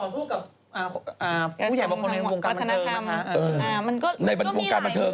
พูดใหญ่ว่าคนในวงการบัตเทิงไม่ใช่วงการบัตเทิง